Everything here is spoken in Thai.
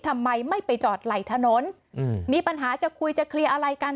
ทำไมไม่ไปจอดไหล่ถนนมีปัญหาจะคุยจะเคลียร์อะไรกัน